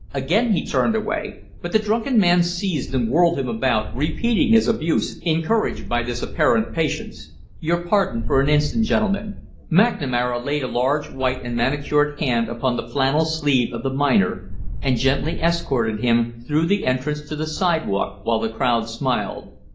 Again he turned away, but the drunken man seized and whirled him about, repeating his abuse, encouraged by this apparent patience. "Your pardon for an instant, gentlemen." McNamara laid a large white and manicured hand upon the flannel sleeve of the miner and gently escorted him through the entrance to the sidewalk, while the crowd smiled.